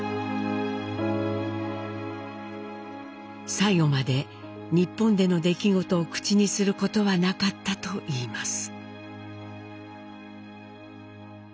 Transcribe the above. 最期まで日本での出来事を口にすることはなかったといいます。